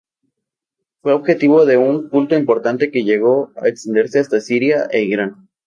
Fue objeto de un culto importante que llegó a extenderse hasta Siria e Irán.